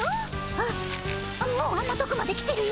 あっもうあんなとこまで来てるよ。